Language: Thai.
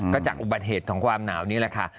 ก็จากอุบัติเหตุของความหนาวนี่แหละค่ะ